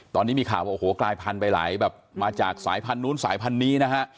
ตอนนี้มีข่าวว่าโอ้โหกลายพันธุไปหลายแบบมาจากสายพันธุ์นู้นสายพันธุ์นี้นะฮะ